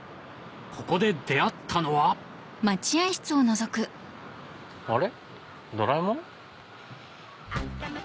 ここで出会ったのはあれ？